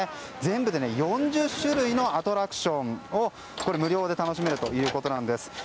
全部で４０種類のアトラクションを無料で楽しめるということです。